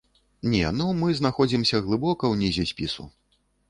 Не, ну мы знаходзімся глыбока ўнізе спісу.